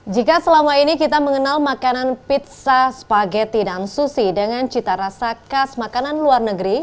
jika selama ini kita mengenal makanan pizza spaghetti dan sushi dengan cita rasa khas makanan luar negeri